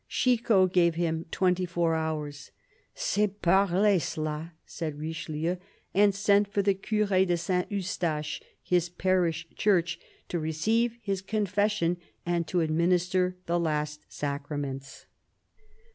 Chicot gave him twenty four hours. " C'est parler, cela !" said Richelieu, and sent for the Cure of Saint Eustache, his parish church, to receive his confession and to ad minister the last Sacraments.